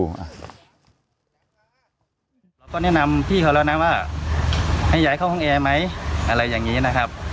เราก็แนะนำพี่เขาแล้วนะว่าให้ย้ายเข้าห้องแอร์ไหมอะไรอย่างนี้นะครับ